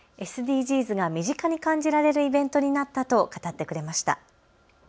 ＳＤＧｓが身近に感じられるイベントになったと語ってくれました。